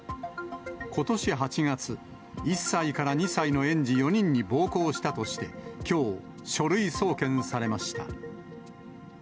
ことし８月、１歳から２歳の園児４人に暴行したとして、きょう、書類送検されました。